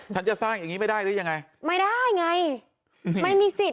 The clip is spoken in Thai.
จะสร้างอย่างงี้ไม่ได้หรือยังไงไม่ได้ไงไม่มีสิทธิ